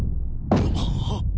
あっ！